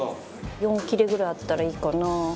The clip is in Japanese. ４切れぐらいあったらいいかな。